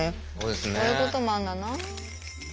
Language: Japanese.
そういうこともあんだな。